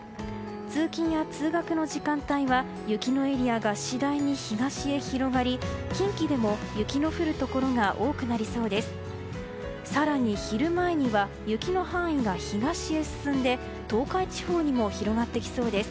通勤や通学の時間帯は雪のエリアが次第に東に広がり近畿でも雪の降るところが多くなりそうです。